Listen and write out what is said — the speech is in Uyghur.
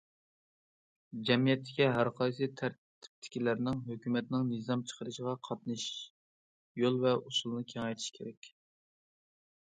جەمئىيەتتىكى ھەرقايسى تەرەپتىكىلەرنىڭ ھۆكۈمەتنىڭ نىزام چىقىرىشىغا قاتنىشىش يولى ۋە ئۇسۇلىنى كېڭەيتىش كېرەك.